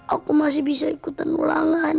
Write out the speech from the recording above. aku masih bisa ikutan ulangan